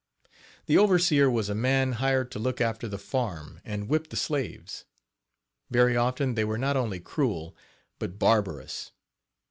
The overseer was a man hired to look after the farm and whip the slaves. Very often they were not only cruel, but barbarous.